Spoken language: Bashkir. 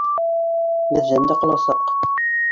Беҙҙән дә ҡаласаҡ